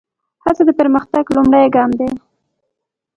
هڅه د پرمختګ لومړی ګام دی.